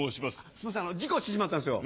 すいません事故してしまったんですよ。